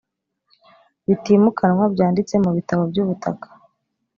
bitimukanwa byanditse mu bitabo by ubutaka